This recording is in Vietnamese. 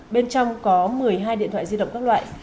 bên trong có một mươi hai điện thoại di động các loại